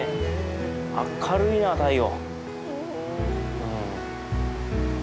明るいな太陽！